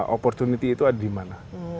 opportunity itu ada di mana